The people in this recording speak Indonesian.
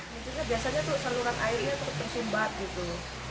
jadi biasanya saluran airnya tetap tersumbat